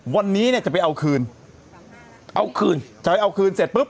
วันนี้เนี่ยจะไปเอาคืนเอาคืนจะไปเอาคืนเสร็จปุ๊บ